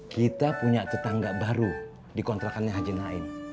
kita punya tetangga baru dikontrakannya hajin lain